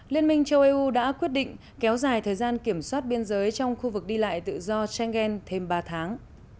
liên minh châu âu đã quyết định kéo dài thời gian kiểm soát biên giới trong khu vực đi lại tự do schengen thêm ba tháng